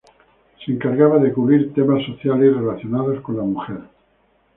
Se encargaba de cubrir temas sociales y relacionados con la mujer.